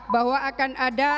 bahwa akan ada